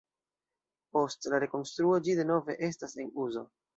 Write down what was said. Post la rekonstruo ĝi denove estas en uzo.